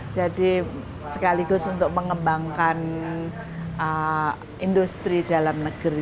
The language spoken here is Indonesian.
jadi sekaligus untuk mengembangkan industri dalam negeri